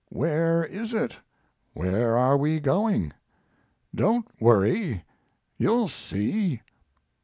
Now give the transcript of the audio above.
"Where is it? Where are we going?" "Don't worry. You'll see."